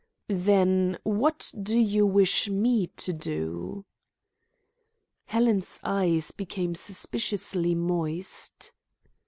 "Then what do you wish me to do?" Helen's eyes became suspiciously moist.